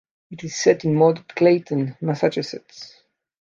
It is set in modern Clayton, Massachusetts.